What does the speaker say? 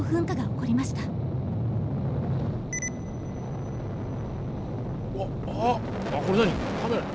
これ何？